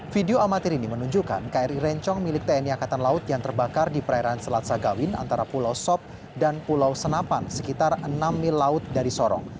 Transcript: video amatir ini menunjukkan kri rencong milik tni angkatan laut yang terbakar di perairan selat sagawin antara pulau sop dan pulau senapan sekitar enam mil laut dari sorong